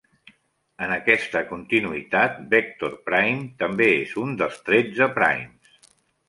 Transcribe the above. En aquesta continuïtat, Vector Prime també és un dels Tretze Primes.